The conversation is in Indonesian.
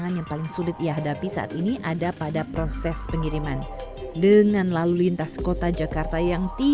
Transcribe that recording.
masa masa seperti apa tuh yang bisa sampai empat